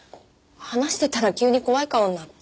話してたら急に怖い顔になって。